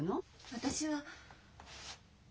私は。